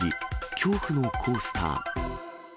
恐怖のコースター。